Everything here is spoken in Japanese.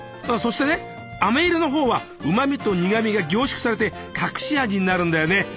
そしてねあめ色の方はうまみと苦みが凝縮されて隠し味になるんだよね。